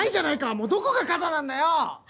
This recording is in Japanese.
もうどこが肩なんだよ！